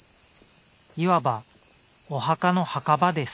いわばお墓の墓場です。